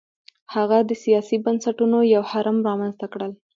هغه د سیاسي بنسټونو یو هرم رامنځته کړل.